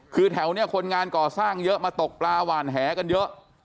คือแถวนี้คนงานก่อสร้างเยอะมาตกปลาหวานแหกันเยอะ